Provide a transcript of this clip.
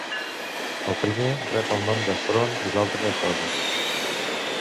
El primer rep el nom de front i l’altra coda.